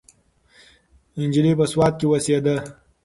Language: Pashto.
نجلۍ په سوات کې اوسیده.